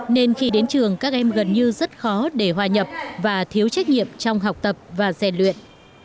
nên khi đến trường các em gần như rất khó để hòa nhập và thiếu trách nhiệm trong học tập và rèn luyện